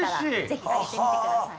ぜひあげてみて下さい。